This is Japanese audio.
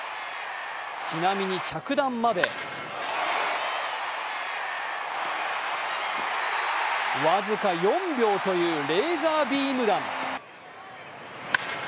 ちなみに着弾まで僅か４秒というレーザービーム弾。